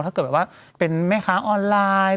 ถ้าเกิดแบบว่าเป็นแม่ค้าออนไลน์